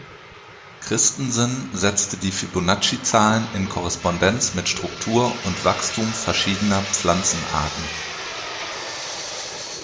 Christensen setzte die Fibonacci-Zahlen in Korrespondenz mit Struktur und Wachstum verschiedener Pflanzenarten.